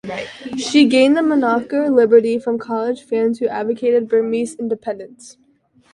She gained the moniker "Liberty" from college fans who advocated Burmese independence.